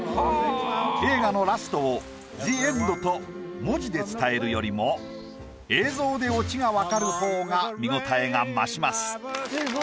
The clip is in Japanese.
映画のラストを「ＴｈｅＥＮＤ」と文字で伝えるよりも映像でオチが分かるほうが見応えが増します。